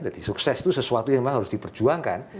jadi sukses itu sesuatu yang memang harus diperjuangkan